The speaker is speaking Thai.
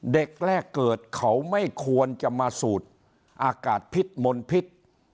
เด็กแรกเกิดเขาไม่ควรจะมาสูดอากาศพิษมนพิษ